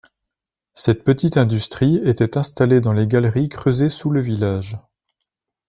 Cette petite industrie était installée dans les galeries creusées sous le village.